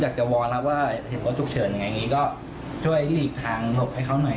วอนแล้วว่าเห็นรถฉุกเฉินอย่างนี้ก็ช่วยหลีกทางหลบให้เขาหน่อย